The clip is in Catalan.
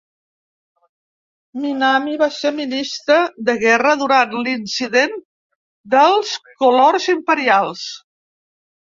Minami va ser Ministre de Guerra durant l'Incident dels Colors Imperials.